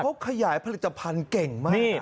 เขาขยายผลิตภัณฑ์เก่งมาก